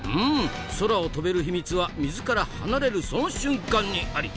空を飛べる秘密は水から離れるその瞬間にあり。